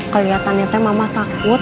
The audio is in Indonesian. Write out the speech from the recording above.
keliatan nyatanya mama takut